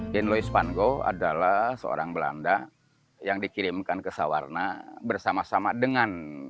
jean louis van gogh adalah seorang belanda yang dikirimkan ke sawarna bersama sama dengan